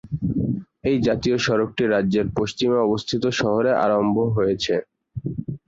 এই জাতীয় সড়কটি রাজ্যের পশ্চিমে অবস্থিত শহরে আরম্ভ হয়েছে।